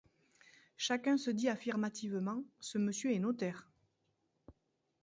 Chacun se dit affirmativement : Ce monsieur est notaire.